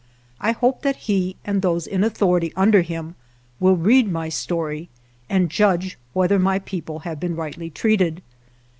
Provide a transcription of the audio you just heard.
I hope that he and those in authority under him will read my story and judge whether my people have been rightly treated.